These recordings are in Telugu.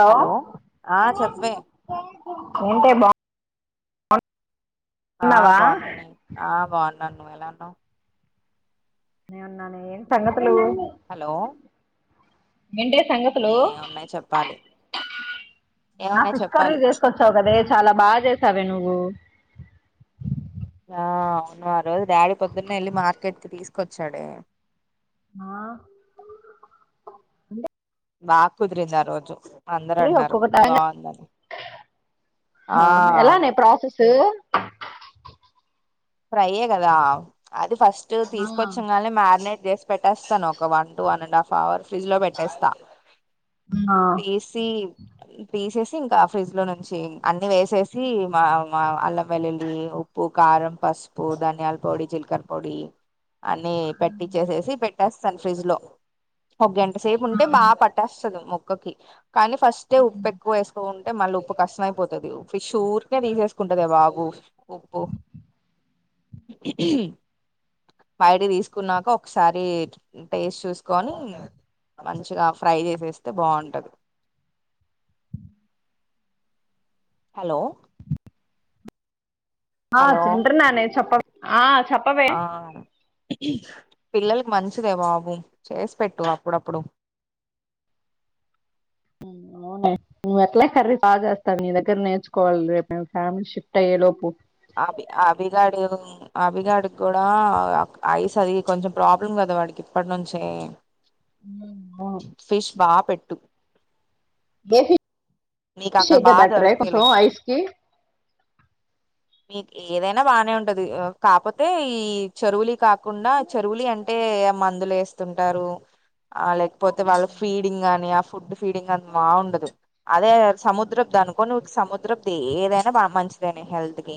హలో ఆ చెప్పవే ఉంటే బా ఆ బాగున్నాను నేను ఆ బాగున్నాను నువ్వు ఎలా హ నేవున్నా ఏన్ త హలో హలో వఎంటే సంగతులు ఏమున్నాయి చెప్పాలి నా ఏమున్నాయి ఫిష్ కర్రీ చెప్పాలి చేసుకొచ్చావు కదే చాలా బాగా చేసావే నువ్వు అ అవును ఆ రోజు డాడీ పొద్దున్న వెళ్ళి మార్కెట్కి తీసుకొచ్చాడే ఆ బాకుడ్రింది రోజు అందరు అన్నారు బాగుందని అ ఆ అవును ఎలానే ప్రసస్ ఫ్రై కదా అది ఫస్ట్ ఆ తీసుకొచ్చ కానీ మ్యారినేట్ చేసి పెట్టేస్తాను ఒక one two one and half hour fridge లో పెట్టేస్తాను ఆ పసి పిసెస్ ఇంకా ఫ్రిడ్జ్ లో నుంచి అన్ని వేసేసి మా మా అల్లం వెల్లుల్లి ఉప్పు కారం పసుపు ధనియాల పొడి చిల్కర్ పొడి అన్ని పెట్టించేసేసి పెట్టే సన్ ఫ్రిజ్ లో ఒక గంట సేపు ఉంటే బాగా పట్టేస్తుది కూకకి కానీ ఫస్టే ఉప్పెక్కువ వేసుకో ఉంటే మళ్ళు ఉప్పు కష్షం ఐపోతది ఫిష్ ఊరికే తీసేసుకుంటదే బాబు ఉప్పు బయట తీసుకున్నాక ఒకసారి టేస్ట్ చూసుకోని మంచిగా ఫ్రై చేసేస్తే బావుంటాది హలో ఆ హలో తింట్రున్నానే చెప్పవ్ ఆ చెప్పవే ఆ పిల్లలకి మంచిదే బాబు చేసి పెట్టు అప్పుడప్పుడు ఊ అవునే నువ్వు ఎట్లా కర్రీ బా చేస్తావు నీ దగ్గర నేర్చుకోవాలి రేపు మేం ఫ్యామ్ షిఫ్ట్ అయ్యే లోపు అభి అభిగాడు అభిగాడికి కూడా అక్ ఐస్ అది కొంచెం ప్రాబ్లం కదా వాడికి ఇప్పటి నుంచే ఉమ్, అవును ఫిష్ బా పెట్ టు. గేసి. షి బాగా బటర్ రాయ్ దొరుకుతాయిలే కొంచం ఐష్ కి. మీకు ఏదైనా బానే ఉంటది కాకపోతే చరూవులే కాకుండా చెరువులీ అంటే మందులు వేసుకుంటారు అల్ పోతే వాళ్ల ఉమ్. ఫీడింగ్ అని. ఫుడ్ ఫీడింగ్ అని మగుండదు. అదే సముద్రపు దనుకొని సముద్రపుది ఏదైనా మంచిదేనా హెల్త్ కి.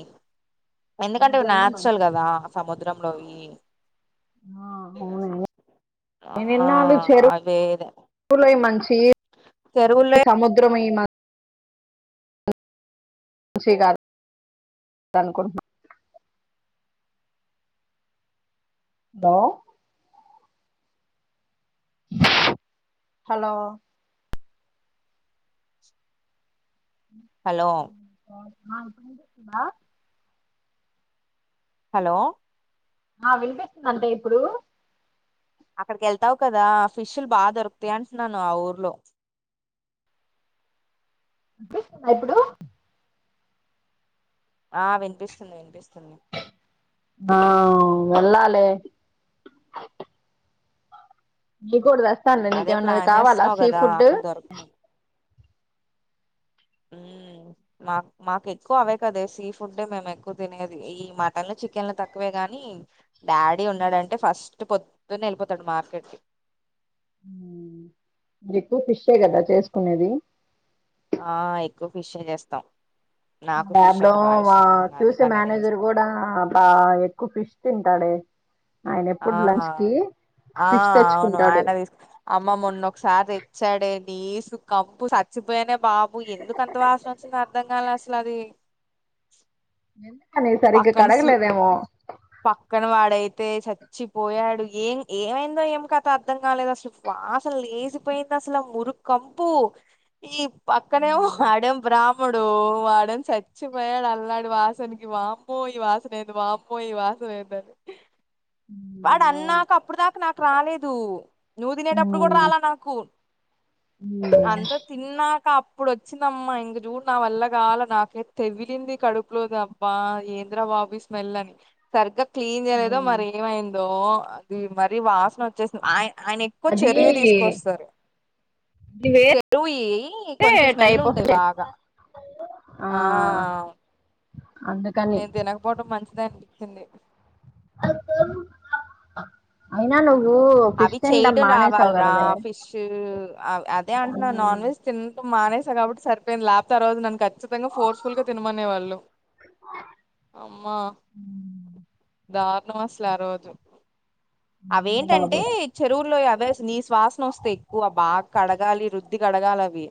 ఎందుకంటే ఇవి సముద్రం నాచురల్ మంచిది కదా సముద్రంలోవి ఆ అవునా ఆ నేను ఇన్నాళ్ళు అవె. చెరువులయి చెరువులయ్. సమయమా. మూసి కాదు అనుకోని. దా. హలో. ఆ [inaudible] ఆ ఆ హలో. ఆ వినిపిస్తుందండి ఇప్పుడు. అక్కడికి వెళ్తావు కదా ఫిషులు బాగా దొరుకుతాయి అంటున్నాను ఆ ఊర్లో. వినిపిస్తుందా ఇప్పుడు. ఆ వినిపిస్తుంది వినిపిస్తుంది. ఆ వెళ్ళాలే యీకడద వస్తా అదే నీకేమన్నాది ప్లాన్ కావాలా చేస్తున్నావు సీ కదా ఫుడ్. అక్కడ దొరకని ఉమ్ మాక్ మాకు ఎక్కువ అవే కదా సీ ఫుడ్ మేము ఎక్కువ తినేది ఈ మటన్లు చికెన్లు తక్కువే గాని. డాడీ ఉన్నాడంటే ఫస్ట్. పొద్దు పొద్దున్నే వెళ్లిపోతాడు మార్కెట్ కి. ఎక్కువ ఫిష్ ఏ కదా చేసుకునేది. ఆ ఎక్కువ ఫిష్ ఏ చేస్తాం. నాకు ఫిష్ ల్యాబ్ లో అంటే బాగా మా ఇష్టం చూసే అందుకని అదే మేనేజర్ చేస్తాం కూడా బా ఎక్కువ ఫిష్ తింటాడే. ఆయన ఎప్పుడు ఆహ లంచ్ కి ఆ ఫిష్ అవును తెచ్చుకుంటాడు ఆయన అమ్మ మొన్న ఒకసారి తెచ్చాడే. నీసు కంపు చచ్చిపోయేనే బాబు ఎందుకంత వాసన వచ్చిందో అర్థం కాలే అసలు అది. ఎందుక్. అయినె సరిగ్గా పక్కన సు కడగలేదేమో. తే చచ్చిపోయాడు ఎం ఏమైందో ఏమ్ కత అర్థం కాలేదు అసలు వాసన లేచిపోయింది అసలు మురుకంపు. పక్కనేమో వాడేమో బ్రాం. అప్పుడు వాడు చచ్చిపోయాడు అల్లాడి వాసనకు వామ్ అమ్మో ఈ వాసన ఏంది వామ్మో ఈ వాసన ఏందని. వాడు మ్ అవును అన్నాక అప్పుడు దాకా నాకు రాలేదు నువ్వు తినేటప్పుడు కూడ ఉమ్ రాలా నాకు అంత తిన్నాకప్పు ప్పుడు వచ్చిందమ్మా ఇంక చూడు నా వల్ల కాల నాకే తెగిలింది కడుపులోదు అబ్బా ఏంద్రబాబు ఇ స్మెల్ అని సరిగ్గా క్లీన్ చేయలేదో ఉమ్ మరి దో అది మరీ వాసన వచ్చేసింది ఆయ ఆయన ఎక్కువ అది చెరువి తీసుకొస్తరు ఇది వేరే చెరువి కొంచెం స్మెల్ టైప్ ఆఫ్ ఉంటాయి డే బాగా ఆ అందుకని నేన్ తినకపోడం మంచి అయింది అనిపించింది అ అమ్మో అవి చేయడం మానేసావు రావాలరా కదవే ఫిష్ అదే అంటున్నా నాన్ ఉమ్ వెజ్ తినటం మానే కాబట్టి సరిపోయింది లేకపోతే ఆ రోజు ను ఖచ్చితంగా ఫోర్స్ఫుల్ గా తినమనే వాళ్ళు అమ్మా దారుణం అసలు ఆ రోజు అవేంటంటే బాబు చెరువులో అవే నీస్ వాసన వస్తే ఎక్కువ బాగా కడగాలి రుద్ది కడగాల అ వి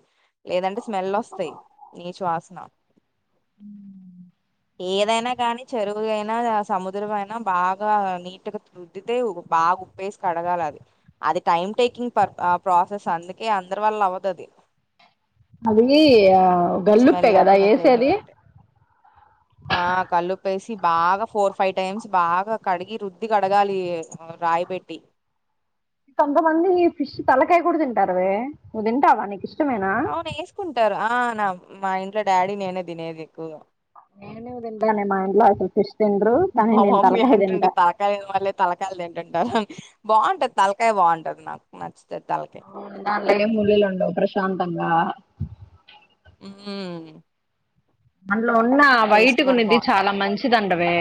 లేదంటే స్మెల్ వస్తయి నీచు వసన ఏదైన కానీ చెరువుయినా సముద్ర అయినా బాగా నీట్గా రుద్దితే బాగా ఉప్పేసి కడగాల అది అది టైమ్ టేకింగ్ పర్ ప్రాసెస్ అందుకే అందరి వల్ల అవ్వదది అది ఆ గల్లుప్పే కదా లేకుండా చేయటం ఏసేది అంటే ఆ కళ్లుప్పేసి బాగా ఫోర్ ఫైవ్ టైమ్స్ బాగా కడిగి రుద్ది కడగాలి రాయపేట్టి కొంతమంది ఫిష్ తలకాయ కూడ తింటారువే నువ్ తింటావా నీకు ఇష్టమేనా అవును వేసుకుంటారు ఆ నా మా ఇంట్లో డాడీ నేనే తినేది ఎక్కువగ నేను తింటగానే మా ఇంట్లో అసలు ఫిష్ తిన్రు కానీ మా నేను మమ్మీ తలకై తింట బాగుంటది తలకాయ బాగుంటది నాకు నచ్చ అవును దాంట్లో ఏం ముళ్ళులు ఉండవ్ ప్రశాంత ంగా హమ్ అన్ ఇలా ఉన్నా వయటుకునిది బావుంటది. చాలా మంచిది అంటవే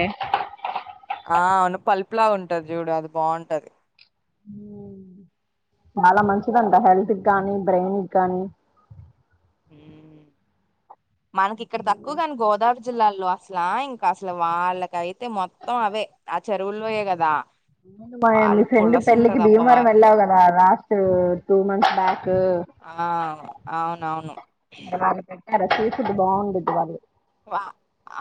ఆ అవును పలుపు లా ఉంటది చూడు అది బావుంటది చాలా మంచిదంట హెల్త్కి కానీ బ్రెయిన్కి గానీ హమ్ మనకి ఇక్కడ తక్కువగని గోదావరి జిల్లాల్లో అస ఆ ఇంక అసల వాళ్ళ కైత్ తే మొత్తం అవే ఆ చెరువుల్లోయే కదా ముందు మా- మీ వాళ్ళు ఫ్రెండ్ పెళ్ళికి పులసుంటదబ్బా భీమవరం వాళ్ళ వెళ్ళావు కదా లాస్ట్ టూ మంత్స్ బ్యాక్ ఆ అవునవును అక్కడ స్ట్రీట్ ఫుడ్ బాగుండ్డిద్ది వాళ్ళు వా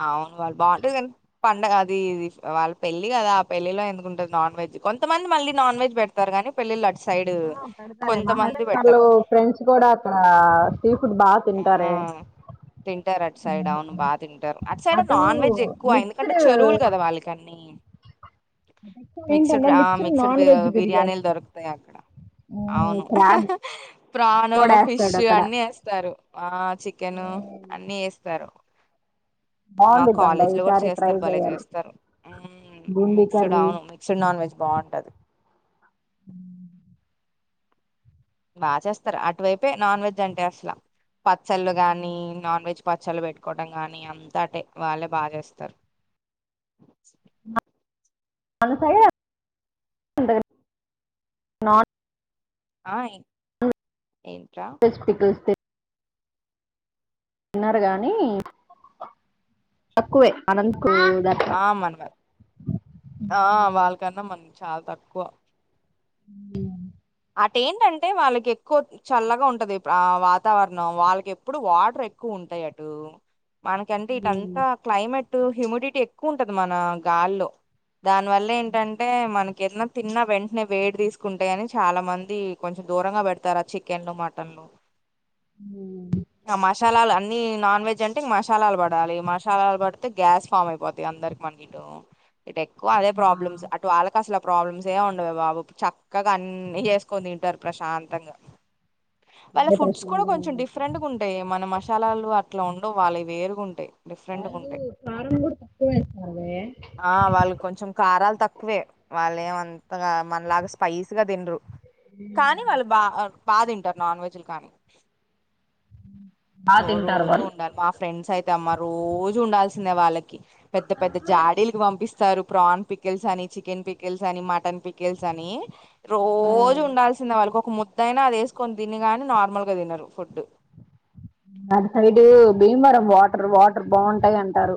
అవును వాళ్ళు బాగుంటుంది కం పండగ అది ఇది వాళ్ళ పెళ్ళి కదా ఆ పెళ్ళిలో ఎందుకుంటంది నాన్ వెెజ్ కొంతమంది మళ్ళీ నాన్ వెెజ్ పెడతారు కానీ పెళ్ళిళట్ హ పెడతారే మా హస్బెండ్ వాళ్ళు ఫ్రెండ్స్ కూడా అక్కడ స్ట్రీట్ ఫుడ్ బా ఆ తింటారు అటు సైడ్ అవును బాగా తింటారు అటు సైడ్ నాన్ వెజ్ ఎక్కువ ఎందుకంటే మిక్స్డ్ చెరువులు కదా వాళ్ళకని ని మిక్స్డ్ ఏంటంటే ఆ మిక్స్డ్ నాన్ వెజ్ బిర్యానీ బిర్యానీలు దొరుకుతాయి అక్కడ అవును క్రాబ్ ప్రాన్ కూడా ఫిష్ వేస్తాడు అక్కడ అన్ని ఎస్ స్తారు ఆ చికెన్ అన్నిీ ఏస్తారు మాకు బాగుండిద్దండి కాలేజీలో కూడా ఈసారి ట్రై చేస్తారు భలే చేయాలి చేస్తారు బూందీ మిక్స్డ్ కర్రీ అవును మిక్స్డ్ నాన్ వెజ్ బాగుంటది బాగా చేస్తారు అటువైపే నాన్ వెజ్ అంటే అసలా పచ్చళ్ళు కానీ నాన్ వెజ్ పచ్చళ్ళు పెట్టుకోవడం గానీ అంతా అటే వాళ్ళే బా చేస్తారు మన సైడే ఉంటది నార్త్ ఆ ఏ వేజ్ పికిల్స్ తినరు గాని తక్కువే అనంత ఆ మనలా ఆ వాల్లకన్న మన చాలా తక్కువ ఉ అటెంటంటే వాళ్ళకి ఎక్కువ చల్లగా ఉంటది ఆ వాతావరణం వాళ్ళకి ఎప్పుడు వాటర్ ఎక్కువ ఉంటాయి అటు మనకంటే ఇటంతా క్లైమేట్ టు హ్యూమిడిటీ ఎక్కువ ఉంటది మన గాల్లో దాని వల్ల ఏంటంటే మనకి ఏదన్న తిన్న వెంటనే వేడి తీసుకుంటయి అని చాలా మంది కొంచెం దూరంగా పెడతారు ఆ చికెన్లు మటన్లు ఆ మసాలాలు అన్ని నా నాన్ వెజ్ అంటే మశాలాలు పడాలి మశాలాలు పడితే గ్యాస్ ఫామ్ అయిపోతయి అందరికి మనకి ఇటు ఇటు ఎక్కువ అదే ప్రాబ్లమ్స్ అటు వాళ్ళకు అసలు ప్రాబ్లమ్స్ ఏం ఉండవే బాబు చక్కగా గ అన్ని చేసుకోని తింటారు ప్రశాంతంగా వాళ్ళ ఫుడ్స్ కూడా డిప్రెషన్ కొంచెం డిఫరెంట్ గా ఉంటాయి మన మశాలాలు అట్లా ఉ సో వాళ్ళయి వేరుగుంటయి డిఫరెంట్గా ఉంటయి కారం కూడా తక్కువ వేస్తారువే ఆ వాళ్ళు కొంచెం కారాలు తక్కువే వాళ్ళే ఏ వ అంతగా మనలాగా స్పైస్ గా తిండ్రు కానీ వాళ్ళు బా బా తింటారు నాన్ వెజ్లులు కానీ బాగా నువ్వు తింటారు రోజు వాళ్ళు ఉండాలి మా ఫ్రెండ్స్ అయితే అమ్మా రోజు ఉండాల్సి తినే వాళ్ళకి పెద్ద పెద్ద జాడీలకి పంపిస్ స్తారు ప్రాన్ పికిల్స్ అని చికెన్ పికిల్స్ అని మటన్ పికిల్స్ అని రోజూ ఉండాల్సిందే వాళ్ళకొ కు ముద్దైయినా అది ఏసుకొని తిని గాని నార్మల్ గా తినరు ఫుడ్డు అటు సైడ్ భీమవరం వాటర్ వాటర్ బావుంటాయి అంటారు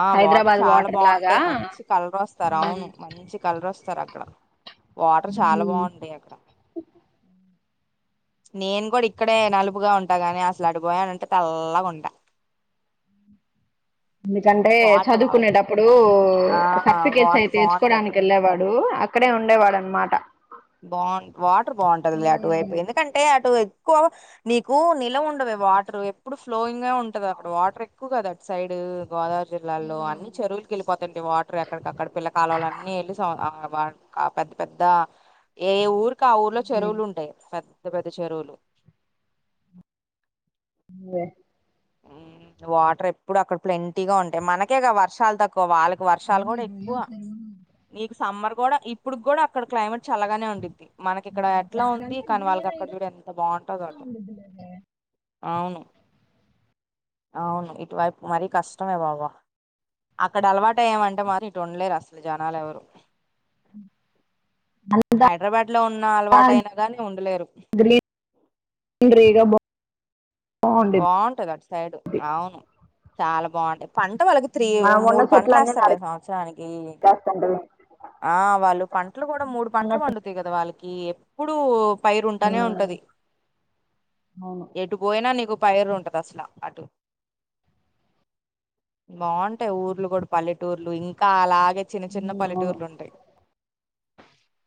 ఆ వాటర్ హైదరాబాద్ చాలా లాగా బావుంటాయి మంచి కలరోస్తారు అవును మంచి కలరోస్ సార్ అక్కడ వాటర్ చాలా బావుంటాయి అక్కడ నేను కూడా ఇక్కడే నలుపుగా ఉంటా గాని అసలు అటుపోయానంటే తెల్లగుంట ఎందుకంటే చదువుకునేటప్పుడు ఆ సర్టిఫికేట్స్ వాటర్ అయితే బాగుంటాయి అక్కడ తెచ్చుకోవడానికి ఏళ్ళేవాడు అక్కడే ఉండేవాడునమాట బావు వాటర్ బాగుంటంది అటువైపు ఎందుకంటే అటు ఎక్కువ నీకు నిల ఉండవ వాటర్ ఎప్పుడు ఫ్లోయింగ్ గా ఉంటది అక్కడ వాటర్ ఎక్కువ కదా అటు సైడ్యు గోదావరి జిల్లాలో అన్ని చెరువులకి వెళ్ళిపోతాండి వాటర్ ఎక్కడికక్కడ పిల్ల కలవులు అన్ని వెళ్లి స అ వా ఆ పెద్ద పెద్ద ఏ ఊర్ ఇంకా ఆ ఊర్లో చెరువులు ఉంటాయి పెద్ అ పెద్ద చేరువులో మే మ్ వాటర్ ఎప్పుడు అక్కడ ప్లాంటీ ఉంటాయి మనకేగా వర్షాలు తక్కువ ఎ వాళ్ళకి వర్షాలు కూడా ఎక్కువ నీకు సమ్మర్ కూడా ఇప్పుడు కూడా అక్కడ క్లైేట్ చల్లగానే ఉండిద్ది మనకి ఇక్కడ ఎట్లా ఉంది కానీ వాళ్ళకి అక్కడ చూడ ఎంత బాగుంటుందో అటు అవును అవును ఇటువైపు మరీ కష్టమే బాబా, అక్కడ అలవాటయ ఏమంటే మరి ఇటు ఉండలేరు అసలు జనాలు ఎవరు మ్మ్ హైడ్రాబాడ్ లో ఉన్న అలవాటు అయినా గానీ ఉండలేరు గ్రీనరీగా బాగుండేది బాగుంటది అటు సైడు అవును చాలా బాగుండే పంట వాళ్ళకి త్రీ మనం ఉన్న మూడు చెట్లు పంటలు అన్ని వేస్తారు కదా సంవత్సరానికి, నరికేస్తుంటది ఆ వాళ్ళు పంటలు కూడా మూడు పంటలు పండుతాయి కదా వాళ్ళ కి ఎప్పుడూ పైరు ఉంటానే ఉన్నట్టు ఉంటది అవును ఎటు పోయినా నీకు పైరు ఉంటది అసలు అటు బాగుంటాయి ఊర్లు కూడా పల్లెటూర్లు ఇంకా అలా ఇ చిన్న చిన్న హ్మ్ అవును పల్లెటూర్లు ఉంటాయి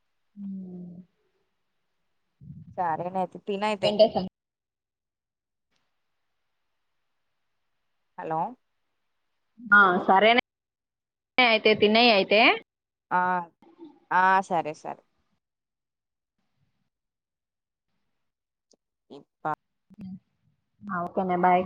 హ సరేనే అయితే తిను అయితే హలో ఆ సరే నే అయితే తినేయ్ అయితే ఆ ఆ సరే సరే ఇప్ప ఆ ఓకేనే బాయ్